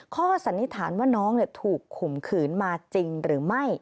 สันนิษฐานว่าน้องถูกข่มขืนมาจริงหรือไม่